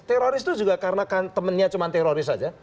teroris itu juga karena temannya cuma teroris saja